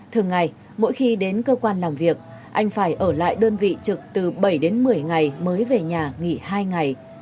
thường ngày mỗi khi đến cơ quan làm việc anh phải ở lại đơn vị trực từ bảy đến một mươi ngày mới về nhà nghỉ hai ngày